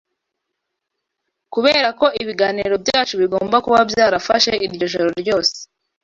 kubera ko ibiganiro byacu bigomba kuba byarafashe iryo joro ryose